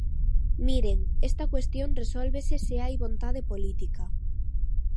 Miren, esta cuestión resólvese se hai vontade política.